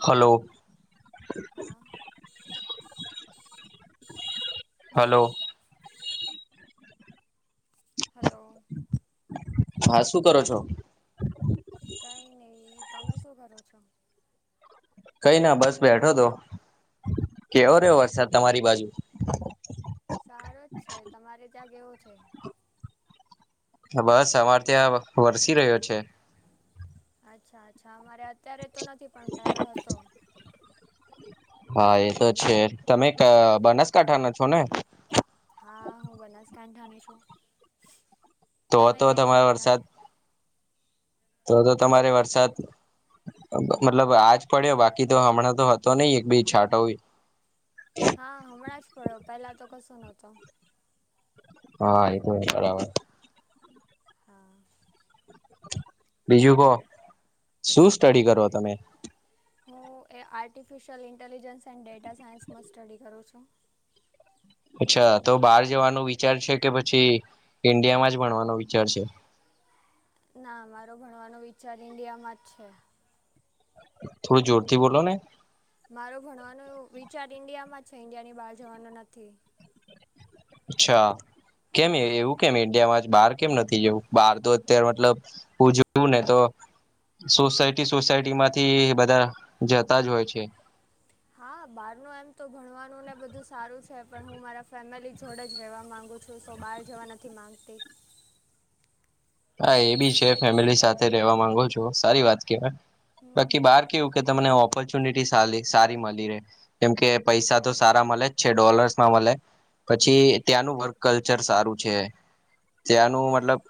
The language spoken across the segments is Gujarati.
હલો. હા હલો. હલો. હા શું કરો છો? કઈ નહી. તમે શું કરો છો? કઈ ના બસ બેઠો તો. કેવો રહ્યો વરસાદ તમારી બાજુ? સારો જ છે. તમારે ત્યાં કેવો છે? બસ અમારે ત્યાં વરસી રહ્યો છે. અચ્છા અચ્છા અમારે અત્યારે તો નથી પણ પેલા હતો. હા એ તો છે. તમે બનાસકાંઠા ના છો ને? હા હું બનાસકાંઠઠાની છું. તો તમે હતો કઈ તમારો સાઈડના વરસાદ તો તો તમારે વરસાદ મતલબ આજ પડ્યો બાકી તો હમણાં તો હતો નહિ એક બેી છાંટો. હા હમણાં જ પડ્યો પહેલા તો કશો નતો. હા એ તોય બરાબર. હા. બીજું કો. શું સ્ટડી તમ કરો તમે? હું એ આર્ટિફિશિયલ ઇન્ટેલિજન્સ એન્ડ ડેટા સાયન્સમાં સ્ટડી કરું છું. અચ્છા તો બહાર જવાનું વિચાર છે કે પછી ઈન્ડિયામાં જ ભણવાનો વિચાર છે. ના અમારો ભણવાનો વિચાર ઈન્ડિયામાં જ છે. થોડું જોરથી બોલોને. મારો ભણવાનો વિચાર ઈન્ડિયામાં છે ઈન્ડિયા ની બહાર જવાનો નથી. અચ્છા કેમ હા એવું કેમ ઈડિયામાં બહાર કેમ નથી જવું બહાર તો અત્યારે મતલબ ઉ જોવું ને તો સોસાયટી સોસાયટી માંથી બધા જતાજ હોય છે. હા બહાર ન એમ તો ભણવાનું ને બધું સારું છે પણ હું મારા ફેમિલી જોડે જ રહેવા માંગુ છું. છું સો બહાર જવા નથી માગતી. હા એ બી છે ફેમિલી સાથે રેવા માંગો છો સારી વાત કેવાય. હમ બાકી બહાર કેવું કે તમને ઓપોર્ચ્યુનિટી સારી મળી રહે. કેમ કે પૈસા તો સારા મળે જ છે ડોલર્સમાં મળે. હમ પછી ત્યાંનું વર્ક કલ્ચર સારું છે ત્યાંનું મતલબ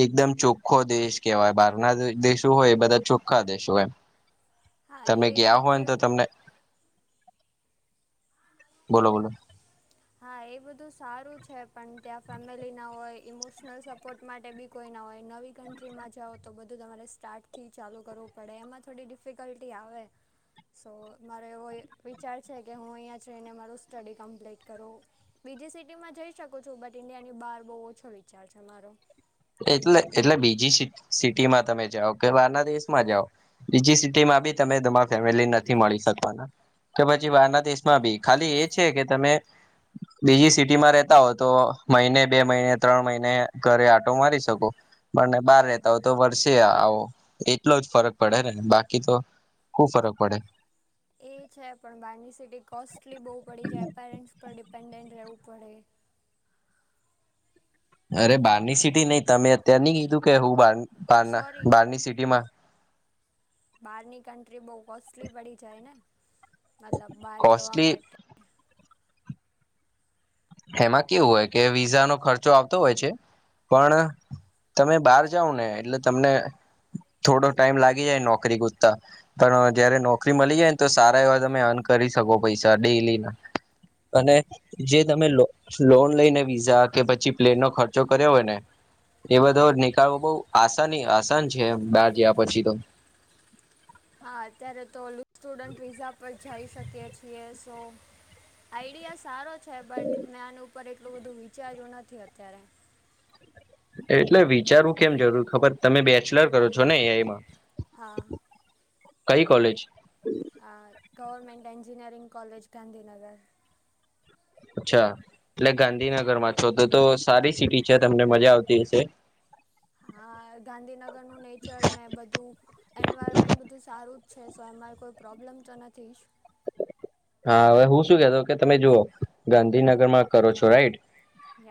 એકદમ ચોખ્ખો દેશ કેવાય બહાર ના દેશો હોય બધા ચોખ્ખા દેશો હોય. હા એ તમે ગયા રીતે હોય ને તો તમને બોલો બોલો. હા એ બધું સારું છે પણ ત્યાં ફેમિલી ના હોય ઇમોશનલ સપોર્ટ માટે બી કોઈ ના હોય નવી કન્ટ્રીમાં જાઓ તો બધું તમારે સ્ટાર્ટથી ચાલુ કરવું પડે એમાં થોડી ડિફ ડિફિકલ્ટી આવે. સો મારો એવો વિચાર છે કે હું અહીંયા જઈને મારું સ્ટડી કમ્પ્લીટ તો બીજી સિટીમાં જઈ શકું છું બટ ઇન્ડિયાની બહાર બહુ ઓછો વિચાર છે મારો. એટલે એટલે બીજી સિટી માં તમે જાઓ કે બહારના દેશમાં જાઓ. બીજી સિટી માં બી તમે તમારી ફેમલી ને મળી શકો કે પછી બહારના દેશમાં ભી ખાલી એ છે કે તમે બીજી સિટી માં રેતા હો તો મહિને બે મહિને ત્રણ મહિને ઘરે આ ટો મારી શકો. મને બાર રહેતા હો તો વર્ષે આવો એટલો જ ફરક પડે ને બાકી તો ખુબ ફરક પડે. એ છે પણ બહારની સિટી કોસ્ટલી બહુ પડી જાય પેરેન્ટ્સ પર ડિપેન્ડન્ટ રહેવું પડે. અરે બારની સિટી નહી તમે અત્યાર ની કીધું કે હું બાર સોરી બારની સિટી માં બહાર ની કન્ટ્રી બહુ કોસ્ટલી પડી જાય ને મતલબ બહાર જવા કોસ્ટલી માટે એમાં કેવું હોય કે વિઝા નો ખર્ચો આવતો હોય છે પણ તમે બહાર જાાવ ને એટલે તમને થોડો ટાઈમ લાગી જાય નોકરી ગોતતા પણ જયારે નોકરી મળી જાયને તો સારા એવા તમે અર્ન કરી શકો પૈસા ડેલી ના અને જે તમે લોન લઈને વિઝા કે પછી પ્લેન નો ખર્ચો કર્યો હોય ને એ હા બધો નીકળવો બહુ આસાની આસાન છે બહાર જયા પછી તો હા અત્યારે તો સ્ટુડન્ટ વિઝા પર જઈ શકીએ છીએ. તો આઈડિયા સારો છે બટ મેં આનું પર એટલું બધું વિચાર્યું નથી અત્યારે. એટલે વિચારવું કેમ જરૂર ખબર તમે બેચલર કરો છો ને એઈમાં હા. કઈ કોલેજ હ ગવર્મેન્ટ એન્જિનીિયરીંગ કોલેજ ગાંધીનગર અચ્છા એટલે ગાંધીનગર માં છો તો તો સારી સિટી છે તમને મજા આવતી હશે. હા ગાંધીનગરનું નેચર ને બધું એન્વાયરમેન્ટ બધું સારું જ છે સ એમાંરે કોઈ પ્રોબ્લેમ તો નથી જ હા હવે હું શું કેતો કે તમે જુઓ હા ગાંધીનગર માં કરો છો રાઈટ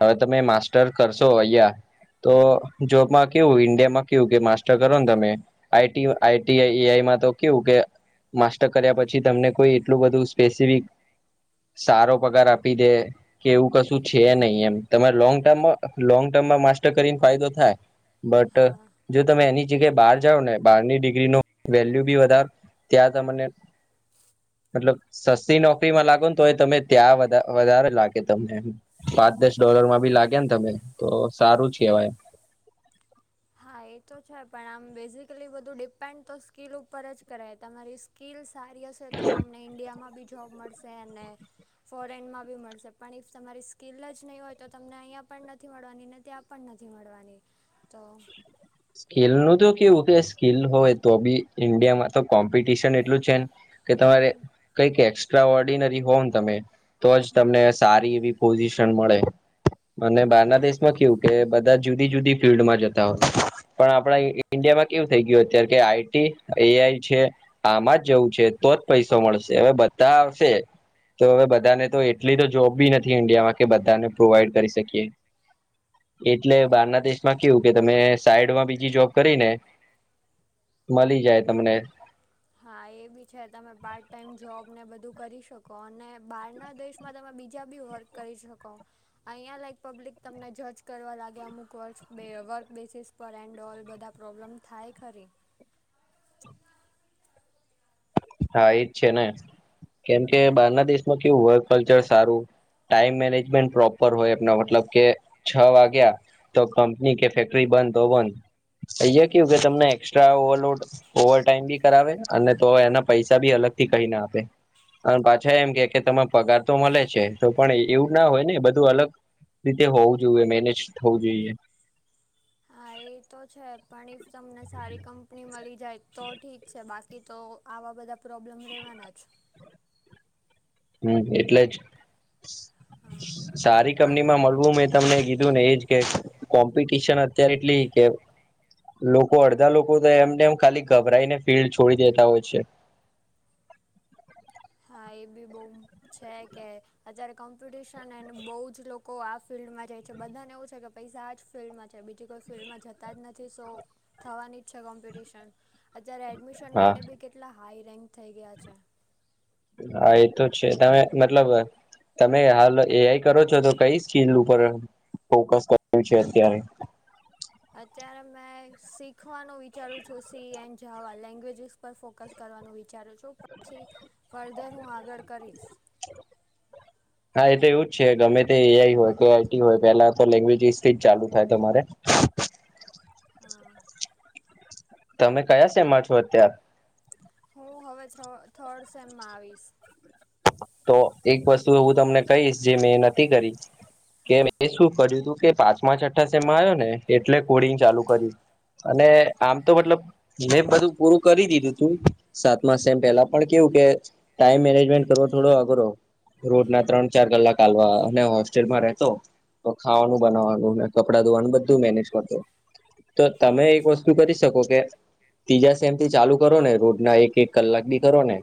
હવે તમે માસ્ટર કરશો અહયા તો હમ જોબમાં કેવું ઇન્ડિયામાં કેવું કે માસ્ટર કરો ને તમે આ આઈટી આઈમાં તો કેવું કે માસ્ટર કર્યા પછી તમને કોઈ એટલું બધું સ્પેસિફિક સારો પગાર આપી દે કે એવું કશું છે નહી એમ તમારે લોંગ ટર્મ લોંગ ટર્મમાં માસ્ટર કરીને ફાયદો થાય બટ હા જો તમે એની જગ્યાએ બહાર જાઓ ને બહારની ડિગ્રી ન વેલ્યુ બી વધારો ત્યાં તમને મતલબ સસ્તી નોકરીમાં લાગો ને તો એ તમે ત્યાં વધારે લાગે તમને એમ પાંચ દસ ડોલર માં ભી લાગે ને તમે તો સારું જ કેવાયમ હા એ તો છે પણ આમ બેઝિકલી બધું ડિપેન્ડ તો સ્કીિલ ઉપર જ કરાય તમારી સ્કીિલ સારી હશે તો તમને ઇન્ડિયામાં બી જોબ મળશે અને ફોરેનમાં બી મળશે પણ ઇફ તમારી સ્કીિલ જ નહીં હોય તો તમને અહીંયા પણ નથી મળવાની નથી ત્યાં પણ નથી મળવાની. તો સ્કીલ નું તો કેવું કે સ્કીલ હોય તો બી ઇન્ડિયામાં તો કોમ્પિટિશન એટલું છે ને કે તમારે હમ કઈક એક્સ્ટ્રા ઓર્ડિનરી હોવ ને તમે તો જ તમને સારી એવી પોઝિશન મળે. મને બહારના દેશમાં કેવું કે બધા જુદી જુદી ફિલ્ડમાં જતા હોય પણ આપડા ઈન્ડિયામાં એવું થઈ ગયું અત્યારે કે આઈટી એઆઈ છે. આમાં જ જવું છે તો જ પૈસો મળશે હવે બધા આવશે તો હવે બધાને તો એટલી તો જોબ બી નથી ઇન્ડિયામાં કે બધાને પ્રોવાઈડ કરી શકીએ એટલે બારના દેશ માં કેવું કે તમે સાઈડમાં બીજી જોબ કરીને મલી જાય તમને હા એ બી છે તમે પાર્ટ ટાઈમ જોબ ને બધું કરી શકો અને બહાર ના દેશમાં તમે બીજા બી વર્ક કરી શકો. અહીંયા લાઈક પબ્લિક તમને જજ કરવા લાગે અમુક વર્ક વર્ક બેસીસ પર એન્ડ ઓલ બધા પ્રોબ્લેમ થાય ખરી. હા એજ છે ને કેમ કે હમ બારના દેશમાં કેવું હોય કલ્ચર સારું ટાઈમ મેનેજમેન્ટ પ્રોપર હોય મતલબ કે છ વાગ્યા તો કંપની કે ફેક્ટરી બંધ હો બંધ કે તમને એસ્ટ્રા ઓવરલોડ ઓવર ટાઈમ બી કરાવે અને તો એના પૈસા બી અલગથી કહી ના આપે અને પાછા એમ કે કે તમે પગાર તો મળે છે તો પણ એવું ના હોય ને બધું અલગ રીતે હોવું જોઈએ મેનેજ થવું જોઈએ. હા એ તો છે પણ ઈફ તમને સારી કંપની મળી જાય તો ઠીક છે બાકી તો આવા બધા પ્રોબ્લેમ રહેેવાના જ. હમ એટલે જ સારી ત કંપનીમાં મળવું મે તમને કીધું ને એજ કે કોમ્પિટશન અત્યારે એટલી કે લોકો અડધા લોકો તો એમને એમ ખાલી ગભરાઈને ફિલ્ડ છોડી દેતા હોય છે. હા એ બી બઉ છે કે અત્યારે કોમ્પિટિશનને બહુ જ લોકો આ ફિલ્ડમાં જાય છે બધાને એવું છે કે પૈસા આ જ ફિલ્ડમાં છે બીજી કોઈ ફિલ્ડમાં જતા જ નથી સો થવાની જ છે કોમ્પિટિશન અત્યારે એડમિશન હા માટે બી કેટલા હાઈ રેન્ક થઈ ગયા છે. હા એ તો છે તમે મતલબ તમે હાલ એઆઈ કરો છો તો કઈ સ્કીલ ઉ પર ફોકસ કર્યું છે અત્યારે? અત્યારે મેં શીખવાનું વિચારું છું સી એન્ જાવા લેંગ્વેજ પર ફોકસ કરવાનું વિચારું છું પછી ફળધર હું આગળ કરીશ. હા એ તો એવું જ છે ગમે તે એઆઈ હોય કે આઈટી હોય પેલા તો લેંગ્વેજ થીજ ચાલુ થાય. તમારે હા તમે કયા સેમાં છો અત્ય્યારે? હું હવે થર્ડ સેમમાં આવીશ. તો એક વસ્તુ હવું તમને કહીશ જે મેં નથી કરી. કે હા એ શું કર્યું તું કે પાંચમા છઠ્ઠા સેમમાં આવ્યો ને એટલે કોડિંગ ચાલુ કર્યું અને આમ તો મતલબ મે બધું પૂરું કરી દીધું તું સાતમા સેમ પહેલા પણ કેવું કે ટાઈમ મેનેજમેન્ટ કરો થોડો અઘરો. રોજ ના ત્રણ ચાર કલાક ચાલવા અને હોસ્ટેલમાં રહેતો તો ખાવાનું બનાવવાનું ને કપડાં ધોવાનું બધું મેનેજ કરતો. તો તમે એક અચ્છા વસ્તુ કરી શકો કે ત્રીજા સેમથી ચાલુ કરો ને રોજના એક એક કલાક બી કરો ને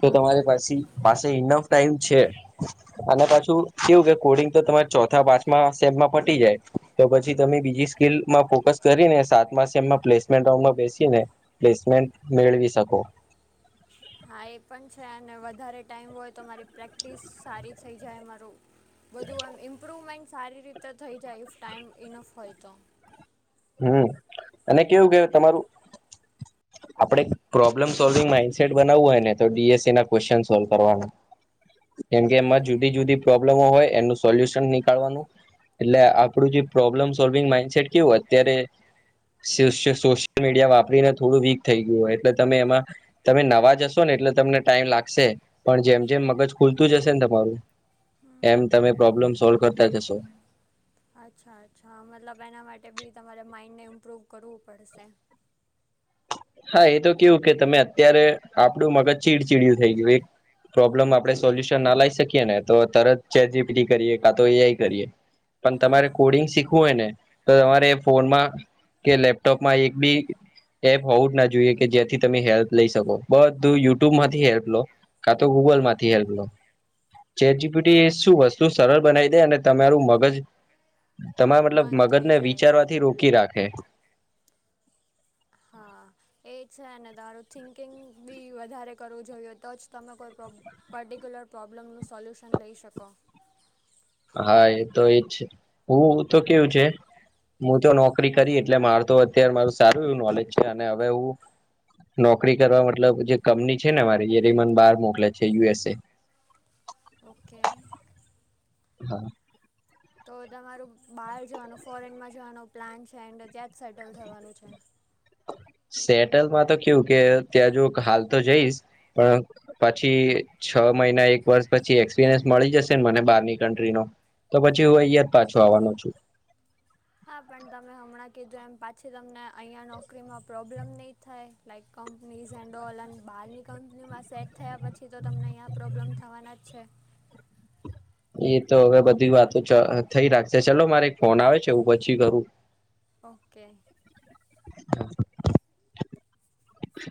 તો હા તમારે પાસે પાસે ઇન્નફ ટાઈમ છે. અને પાછું કેવું કે કોડિંગ તો તમારે ચોથા પાંચમા સેમમાં પટી જાય. તો પછી તમે બીજી સ્કીલમાં ફોકસ કરીને સાતમા સેમમાં પ્લેસમેન્ટ રાઉન્ડમાં બેસીને પ્લેસમેન્ટ મેળવી શકો. હા એ પણ છે અને વધારે ટાઈમ હોય તો મારી પ્રેક્ટિસ સારી થઇ જાય મારું બધું એમ ઇમ્પ્રુવમેન્ટ સારી રીતે થઈ જાય ઇ ટાઈમ ઇનફ હોય તો હમ અને કેવું કેય તમારું આપડે પ્રોબ્લમ સોલ્વિંગ માઈન્ડસેટ બનાવવું હોય ને તો ડીએસસી ના ક્વેશ્ચન સોલ્વ કરવાના [unintelligible] કેમકે એમાં ઓકે જુદી જુદી પ્રોબ્લેમો હોય એમનું સોલ્યુશન નીકાળવાનું એટલે આપણું જે પ્રોબ્લેમ સોલ્વિંગ માઈન્ડસેટ કેવું અત્યારે સોશિયલ મીડિયા વાપરીને થોડું વીક થઈ ગયું હોય એટલે તમે એમાં તમે નવા જશો ને એટલે તમને ટાઈમ લાગશે પણ જેમ જેમ મગજ ખુલતું જશે ને તમારું એમ તમે પ્રોબ્લેમ સોલ્વ કરતા જશો અચ્છા અચ્છા મતલબ એના માટે બી તમારે માઇન્ડને ઇમ્પ્રૂવ કરવું પડશે હા એ તો કેવું કે તમે અત્યારે આપડું મગજ ચીડચીડયું થઈ ગયું એક પ્રોબ્લેમ આપડે સોલ્યુશન ના લઈ શકીએ ને તો તરત ચે જીપી કરીએ કા તો એઆઈ કરીએ [unintelligible] પણ તમારે કોડિંગ શીખવું હોય ને તો તમારે ફોનમાં કે લેપટોપમાં એક બી એપ હોવું જ ના જોઈએ કે જે્યાંથી તમે હેલ્પ લઈ શકો બધું યુટ્યુબ માંથી હેલ્પ લો કા તો ગૂગલ માંથી હેલ્પ લો ચેજીીપીટી શું વસ્તુ સરળ બનાવી દે અને તમારું મગજ તમારા મતલબ બંધ થઈ મગજને જાય વિચારવાથી રોકી રાખે હા એ છે ને તમારું થિંકિંગ બી વધારે કરવું જોઈએ તો જ તમે કોઈ પ્રોબ પર્ટિક્યુલર પ્રોબ્લમનું સોલ્યુશન લઈ શકો હા એ તો એજ છે હું હમ તો કેવું છે હું તો નોકરી કરી એટલે માર તો અત્યારે મારું સારું એવું નોલેજ છે અને હવે હું નોકરી કરવા મતલબ જે કંપની છે ને મારી જે રમન બાર મોકલે છે યુએસ એ ઓકે હા તો તમારું બહાર જવાનું ફોરેનમાં જવાનું પ્લાન છે એન્ડ ત્યાં જ સેટલ થવાનું છે સેટલમાં તો કેવું કે ત્યાં જો હાલ તો જઈશ પણ પછી છ મહિના એક વર્ષ પછી એક્સપિરિયન્સ મળી જશે ને મને બારની કન્ટ્રીનો તો પછી હું અહંયા જ પાછો આવવાનો છું હા પણ તમે હમણાં કીધું એમ પાછી તમને અહીંયા નોકરીમાં પ્રોબ પ્રોબ્લેમ નહીં થાય લાઈક કંપનીઝ એન્ડ ઓલન બહારની કંપનીમાં સેટ થયા પછી પછી તો તમને અહીંયા પ્રોબ્લેમ થવાના જ છે એ તો હવે બધી વાતો થઈ રાખશે ચલો મારે એક ફોન આવે છે હું પછી કરરું ઓકે હ